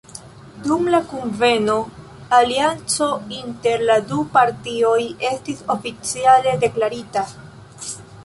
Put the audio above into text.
Dum la kunveno, alianco inter la du partioj estis oficiale deklarita.